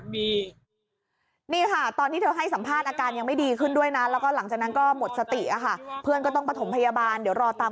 เดี๋ยวรอตามความความความสุขของพี่แอน